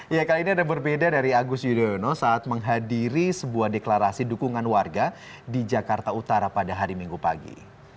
ya kali ini ada berbeda dari agus yudhoyono saat menghadiri sebuah deklarasi dukungan warga di jakarta utara pada hari minggu pagi